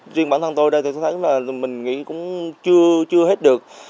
riêng bản thân tôi đây thì tôi thấy là mình nghĩ cũng chưa hết được